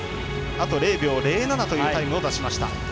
あと０秒０７というタイムを出しました。